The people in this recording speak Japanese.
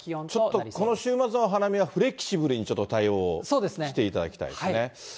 ちょっとこの週末は花見はフレキシブルにちょっと対応をしていただきたいですね。